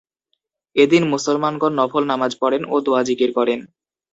এদিন মুসলমানগণ নফল নামায পড়েন ও দোয়া-জিকির করেন।